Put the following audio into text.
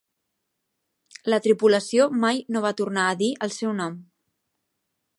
La tripulació mai no va tornar a dir el seu nom.